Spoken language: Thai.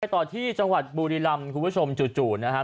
ต่อที่จังหวัดบุรีรำคุณผู้ชมจู่นะครับ